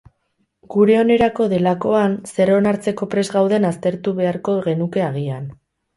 Gure onerako delakoan, zer onartzeko prest gauden aztertu beharko genuke agian.